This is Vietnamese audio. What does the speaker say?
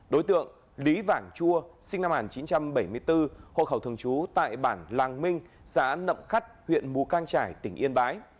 đối tượng lý vảng chua sinh năm một nghìn chín trăm bảy mươi bốn hộ khẩu thường trú tại bản làng minh xã nậm khắt huyện mù cang trải tỉnh yên bái